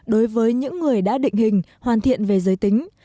đối với những người đã định hình hoàn thiện về giới tính